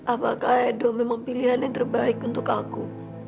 apakah edo memang pilihan yang terbaik untuk aku